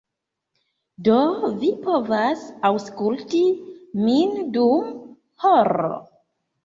Do, vi povas aŭskulti min dum horo.